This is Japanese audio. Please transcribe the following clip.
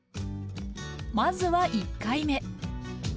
まずは１回目。